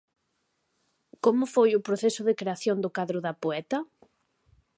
Como foi o proceso de creación do cadro da poeta?